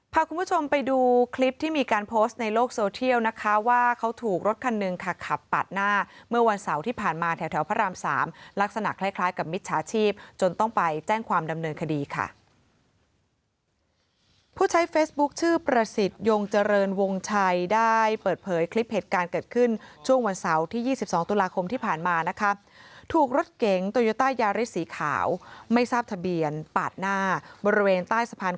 พาคุณผู้ชมไปดูคลิปที่มีการโพสต์ในโลกโซเทียลนะคะว่าเขาถูกรถคันหนึ่งขักขับปัดหน้าเมื่อวันเสาร์ที่ผ่านมาแถวแถวพระรามสามลักษณะคล้ายคล้ายกับมิจฉาชีพจนต้องไปแจ้งความดำเนินคดีค่ะผู้ใช้เฟซบุ๊คชื่อประสิทธิ์ยงเจริญวงชัยได้เปิดเผยคลิปเหตุการณ์เกิดขึ้นช่วงวันเสาร์ท